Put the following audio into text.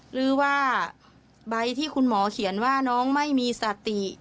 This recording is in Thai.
หรือว่าใบที่คุณหมอเขียนว่าน้องไม่มีสติ